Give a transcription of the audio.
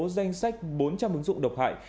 danh sách bốn trăm linh ứng dụng độc hại